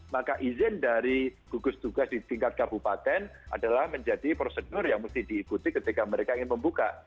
maka izin dari gugus tugas di tingkat kabupaten adalah menjadi prosedur yang mesti diikuti ketika mereka ingin membuka